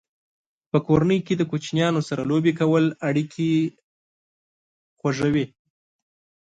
په کورنۍ کې د کوچنیانو سره لوبې کول اړیکې خوږوي.